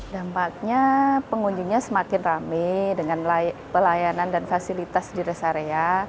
dampaknya pengunjungnya semakin rame dengan pelayanan dan fasilitas di rest area